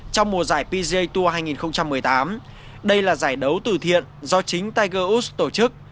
trong mùa giải pga tour hai nghìn một mươi tám đây là giải đấu từ thiện do chính tiger woods tổ chức